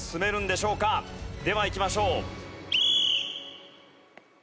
ではいきましょう。